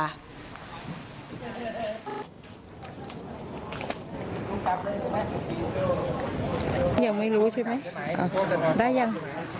ยังไม่รู้ใช่ไหมได้ยัง